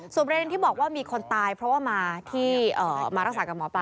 ประเด็นที่บอกว่ามีคนตายเพราะว่ามารักษากับหมอปลา